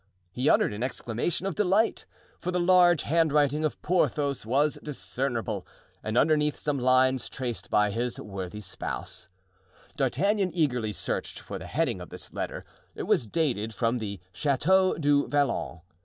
He uttered an exclamation of delight, for the large handwriting of Porthos was discernible, and underneath some lines traced by his worthy spouse. D'Artagnan eagerly searched for the heading of this letter; it was dated from the Chateau du Vallon.